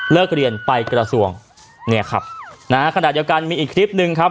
เรียนไปกระทรวงเนี่ยครับนะฮะขณะเดียวกันมีอีกคลิปหนึ่งครับ